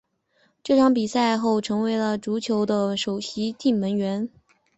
这场比赛后他成为了球会的首席定门员。